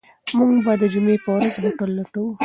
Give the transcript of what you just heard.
موږ به د جمعې په ورځ هوټل لټوو.